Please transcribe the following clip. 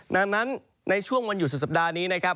ดังนั้นในช่วงวันหยุดสุดสัปดาห์นี้นะครับ